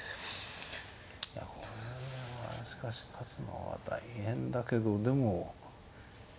いやこれはしかし勝つのは大変だけどでも。